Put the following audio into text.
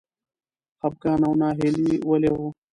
خپګان او ناهیلي ولې و؟